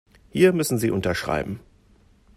Hier müssen Sie unterschreiben.